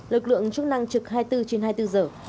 lực lượng chức năng trực hai mươi bốn trên hai mươi bốn giờ